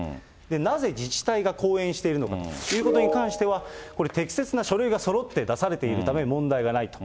なぜ自治体が後援しているのかということに関しては、これは適切な書類がそろって出されているため、問題がないと。